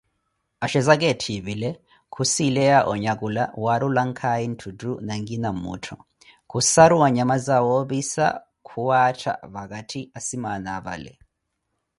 Axhezaka etthipile, khusileya onyakhula waarulankhale ntthutto na nkina mmuttho, khusaruwa nyama zawoopisa khuwattha vakatthi asimaana apale.